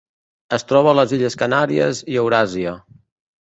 Es troba a les illes Canàries i Euràsia.